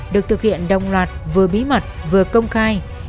được thực hiện đồng loạt vừa bí mật vừa công khai